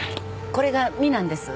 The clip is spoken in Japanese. これが「み」なんです。